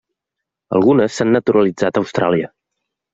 Algunes s'han naturalitzat a Austràlia.